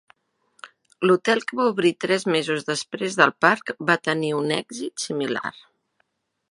L'hotel, que va obrir tres mesos després del parc, va tenir un èxit similar.